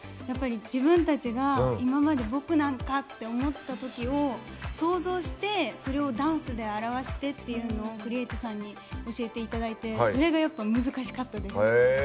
自分たちが今まで「僕なんか」って思ったときを想像してそれをダンスで表してっていうのをＣＲＥ８ＢＯＹさんに教えていただいてそれが、やっぱり難しかったです。